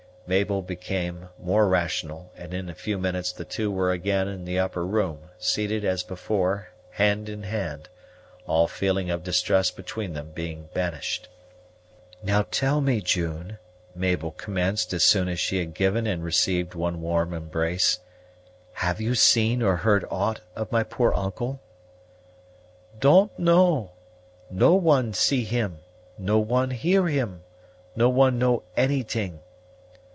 Mabel became more rational, and in a few minutes the two were again in the upper room, seated as before, hand in hand, all feeling of distrust between them being banished. "Now tell me, June," Mabel commenced as soon as she had given and received one warm embrace, "have you seen or heard aught of my poor uncle?" "Don't know. No one see him; no one hear him; no one know anyt'ing.